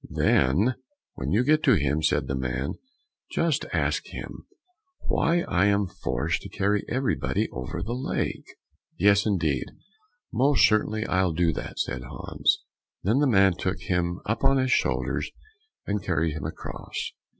"Then when you get to him," said the man, "just ask him why I am forced to carry everybody over the lake." "Yes, indeed, most certainly I'll do that," said Hans. Then the man took him up on his shoulders, and carried him across.